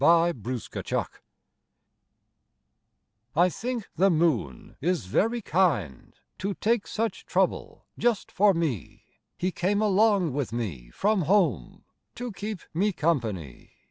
II The Kind Moon I think the moon is very kind To take such trouble just for me. He came along with me from home To keep me company.